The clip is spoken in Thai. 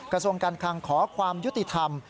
กระทรวงการคลังขอความยุติธรรม